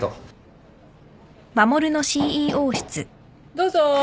・どうぞ。